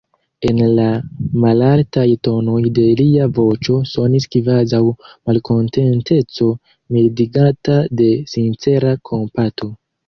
En la malaltaj tonoj de lia voĉo sonis kvazaŭ malkontenteco, mildigata de sincera kompato!